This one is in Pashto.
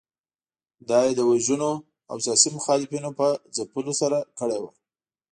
دا یې د وژنو او سیاسي مخالفینو په ځپلو سره کړې وه.